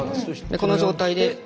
この状態で。